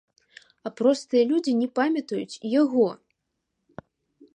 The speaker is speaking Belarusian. А простыя людзі не памятаюць і яго.